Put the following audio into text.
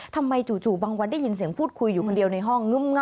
จู่บางวันได้ยินเสียงพูดคุยอยู่คนเดียวในห้องงึ้ม